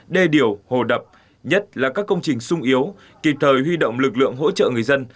đê điều hồ đập nhất là các công trình sung yếu kịp thời huy động lực lượng hỗ trợ người dân